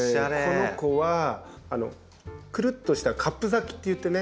この子はクルッとしたカップ咲きといってね